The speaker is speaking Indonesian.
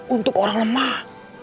untuk orang lemah